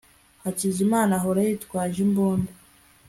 hakizimana ahora yitwaje imbunda